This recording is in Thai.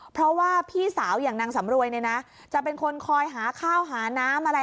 เพราะว่าพี่สาวอย่างนางสำรวยเนี่ยนะจะเป็นคนคอยหาข้าวหาน้ำอะไร